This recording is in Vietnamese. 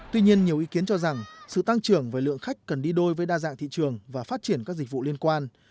tuy nhiên nhiều ý kiến cho rằng sự tăng trưởng về lượng khách cần đi đôi với đa dạng thị trường và phát triển các dịch vụ liên quan